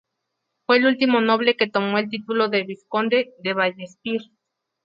Fue el último noble que tomó el título de vizconde de Vallespir.